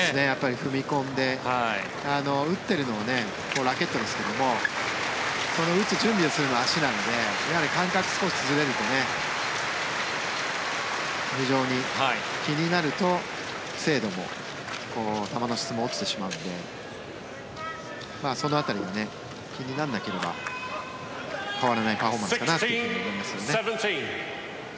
踏み込んで打っているのはラケットですけどもこの打つ準備をするのは足なので感覚が少しずれると非常に気になると精度も球の質も落ちてしまうのでその辺りが気にならなければ変わらないパフォーマンスかなと思いますね。